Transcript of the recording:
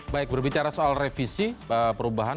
baik berbicara soal revisi perubahan